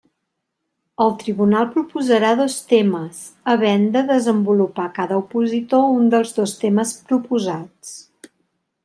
El tribunal proposarà dos temes, havent de desenvolupar cada opositor un dels dos temes proposats.